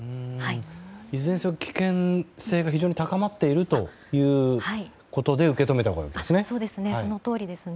いずれにしろ危険性が非常に高まっているということで受け止めたほうがいいんですね。